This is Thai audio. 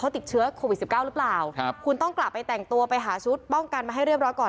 ติดเชื้อโควิด๑๙รึเปล่าคุณต้องไปต่างตัวไปหาชุดป้องกันมาให้เรียบร้อยก่อน